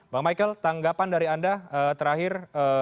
bang michael tanggapan dari anda terakhir